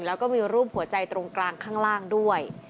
แล้วก็มีรูปหัวใจตรงกลางข้างล่างด้วย